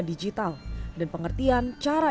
digital dan pengertian cara